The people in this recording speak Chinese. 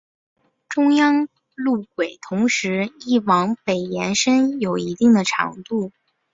中央路轨同时亦往北延伸有一定长度。